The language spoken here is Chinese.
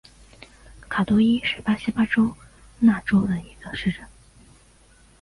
坎多伊是巴西巴拉那州的一个市镇。